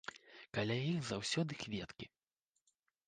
Каля іх заўсёды кветкі.